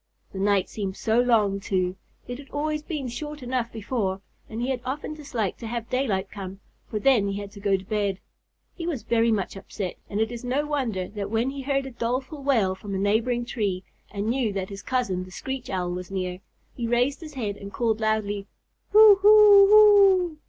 The night seemed so long, too. It had always been short enough before, and he had often disliked to have daylight come, for then he had to go to bed. He was very much upset, and it is no wonder that when he heard a doleful wail from a neighboring tree, and knew that his cousin, the Screech Owl, was near, he raised his head and called loudly, "Hoo hoo oooo!